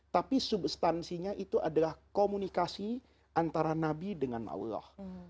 tapi substansinya itu adalah komunikasi antara nabi dengan allah